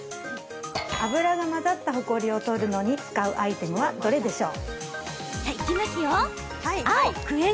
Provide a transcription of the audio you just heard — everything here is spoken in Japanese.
油が混ざったほこりを取るのに使うアイテムはどれでしょう？